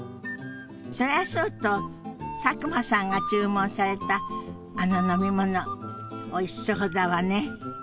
それはそうと佐久間さんが注文されたあの飲み物おいしそうだわね。